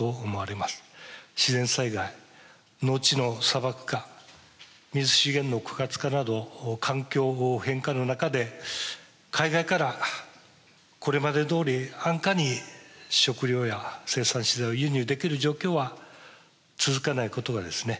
自然災害農地の砂漠化水資源の枯渇化など環境変化の中で海外からこれまでどおり安価に食料や生産資材を輸入できる状況は続かないことがですね